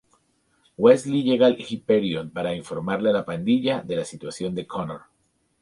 Wesley llega al Hyperion para informarle a la pandilla de la situación de Connor.